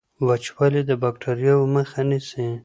وچوالی د باکټریاوو مخه نیسي.